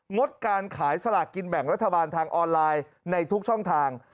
ดการขายสลากกินแบ่งรัฐบาลทางออนไลน์ในทุกช่องทาง